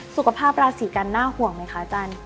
สุขภาพราศีกันน่าห่วงไหมคะอาจารย์